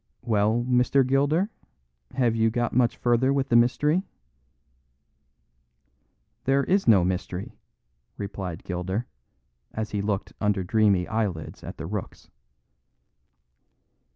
"Well, Mr. Gilder, have you got much farther with the mystery?" "There is no mystery," replied Gilder, as he looked under dreamy eyelids at the rooks.